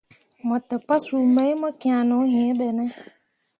Mo te pasuu mai mo kian no yĩĩ ɓe ne.